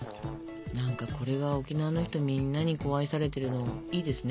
何かこれが沖縄の人みんなに愛されてるのいいですね。